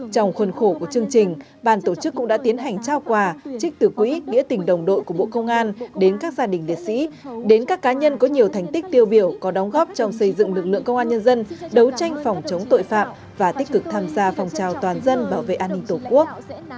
trong khuôn khổ của chương trình bàn tổ chức cũng đã tiến hành trao quà trích từ quỹ nghĩa tình đồng đội của bộ công an đến các gia đình liệt sĩ đến các cá nhân có nhiều thành tích tiêu biểu có đóng góp trong xây dựng lực lượng công an nhân dân đấu tranh phòng chống tội phạm và tích cực tham gia phòng trào toàn dân bảo vệ an ninh tổ quốc